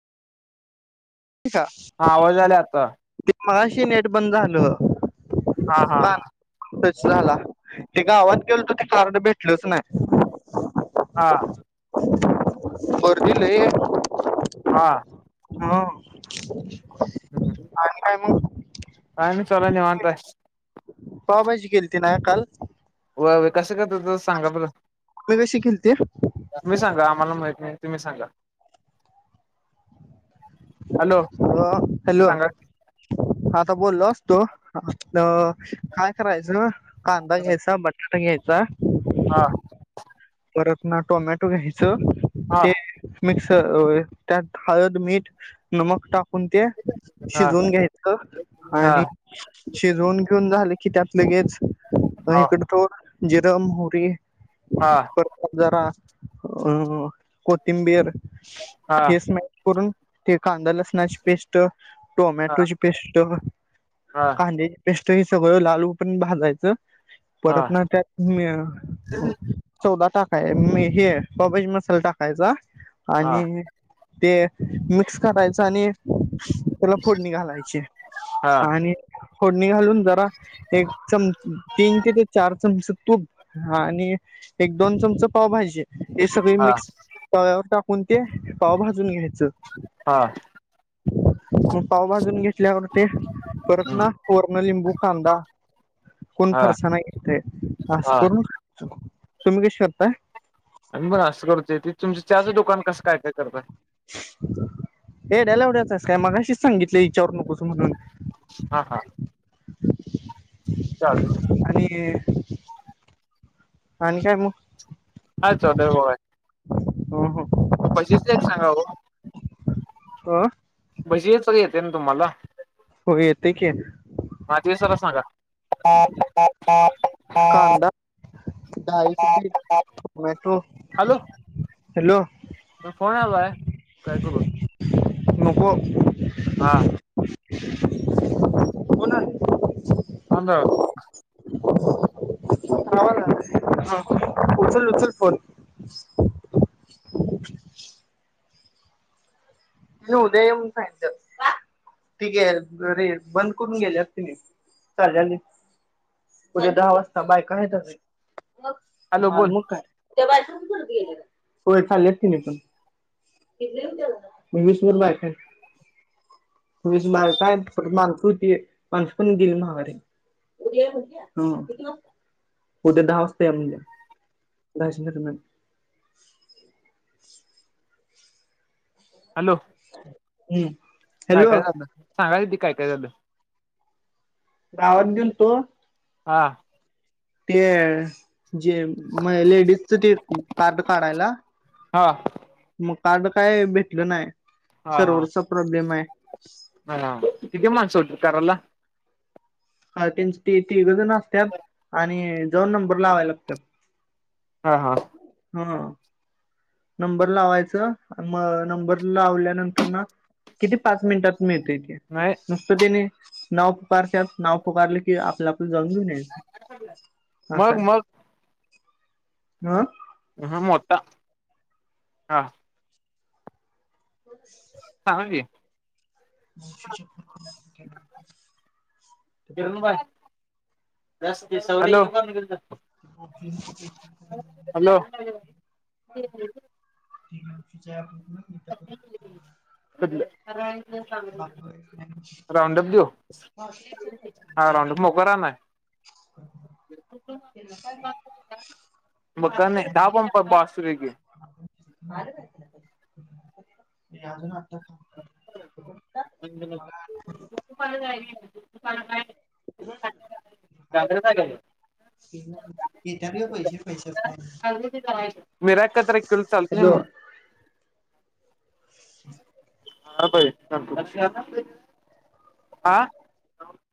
[unintelligible] हा आवाज आल्या आता ते मगाशी नेट बंद झालं. हा हा हा बेस झाला हे गावात गेलतो ते कार्ड भेट लच नय हा गर्दी लय ये. हां. हं - [unintelligible] [unintelligible] आणि काय म काय नाय चालू हाय निवांत हाय. पावभाजी केलती ना काल व्हय व्हय कस काय तुझंस त्या दिवशी केलती. तुम्ही सांगा आम्हाला माहित नाय तुम्ही सांगा. हॅलो हा हॅलो सांगा की आता बोललो असतो अ काय करायचं कांदा घ्यायचा. बटाटा घ्यायचा. हा परत ना टोमॅटो घ्यायचं हा ते मिक्स अ त्यात हळद, मीठ, नमक टाक कुण ते हा शिजवून घ्यायच हा हा आणि शिजवून घेऊन झाले की त्यात लगेच हा इकड तो जिरं, मोहरी हां. तर तर जरा अ कोथिंबीर हा हेच नाय करून ते कांदा लसणाची पेस्ट, हा टोमॅटोची पेस्ट हा कांद्याची पेस्ट हे सगळं लाल होवू पर्यंत भाजायचं. परत मा त्यात म य चौदा टाकाय में हे पावभाजी मसाला टाकायचा आणि हा ते मिक्स करायचं आणि त्याला फोडणी घालायची. हा आणि फोडणी घालून जरा एक चम तीन ते ते चार चमच तूप आणि एक दोन चमच पावभाजी हे सगळी हा मिक्स तव्यावर टाकून ते पावा भाजून घ्यायचं हा मग पाव भाजून घे ल्यावर ते परत हम्म ना वर्ण लिंबू कांदा कोण हा फारसा नाही येते असं हा करून तुम्ही कशी करताय आम्ही पण असं करतोय ती तुमच त्याचंचहा दोकान कसं काय काय करतय एड्याला एवढ्याचस काय मगाशीच सांगितली विचारवर नकोस म्हणून हा हा चालतंय आणि आणि काय मग हाय चचा दवय हम हम त पंचवीस ला एक सांगा हो ह भजीच येते ना तुम्हाला होग येतय की माझी सर सांगा कांदा डाळीचे पीठ टोमॅटो हॅलो हॅलो फोन आलाय काय करू महाा हां आता हवा ना उचल उचल फोन आणि उदय फड ठीक आहे रे बंद करून गेले अस त मी जनी उद्या दहा वाजता बायक आहे त हॅलो हा बोल मग काय होय चालेी मवीसवर लाख काय माणस होती माणसं पण गेली मागारी ह होद्या दहा वाजता या म्हणजे [inaudible] हॅलो हम्म काय काय झालं सांगाली काय काय झालं गावात गेलो तो हां ते जे मग लेडीजच ते कार्ड काढायला हा मग काड काय भेटलं नाही हा हा सर्वरचा प्रॉब्लेम आहे हा किती माणसं कारारला ह त्यांची ते तिघजण असत आणि जाऊन नंबर लावा लागतात हा हा हा नंबर लावायच मग नंबर लावल्यानंतर ना किती पाच मिनिटात मी येतो इथे नाही नुसतं त्याने नाव पुकारतत नाव पुकारले की आपलं आपलं जाण घेऊनच [unintelligible] मग- मग [unintelligible] हा हुं हा मोठा हा अच [unintelligible] ह हज [unintelligible] मावशी शपथ गेलो होतो [unintelligible] किरणं बाय जास्तं दिवसांवर [unintelligible] हॅलो हॅलो [unintelligible] तिनं तिच्या हितन [unintelligible] [unintelligible] राऊंडप देऊ? हा राऊंडअप मोकळं रानाय. ते न का का [unintelligible] मोट्यान नाही, धापंपा [unintelligible] बास करूया की. [unintelligible] अजून आता थांबतो म्ह मला [unintelligible] [unintelligible] रात्री काय झाल? येणार नाही, येत्यात ग पैशे, पैशाच काय नाही. [unintelligible] दावायच, मीरा एकत्र केल तर चालतं नां हॅलो मगं? [inaudible] हां [unintelligible] पाहिजे सांगतो लक्षू आलंता इकडं हां [unintelligible] आ